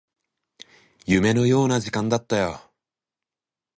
夢のような時間だったよ